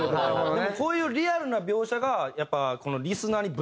でもこういうリアルな描写がやっぱ。